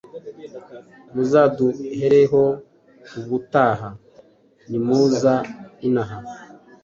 muzaduhereho ubutaha nimuza inaha